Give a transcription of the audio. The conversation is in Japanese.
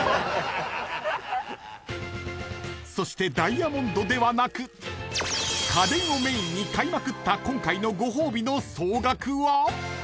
［そしてダイヤモンドではなく家電をメインに買いまくった今回のご褒美の総額は？］